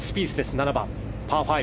７番、パー５。